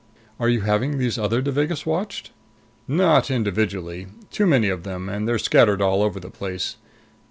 "Are you having these other Devagas watched?" "Not individually. Too many of them, and they're scattered all over the place.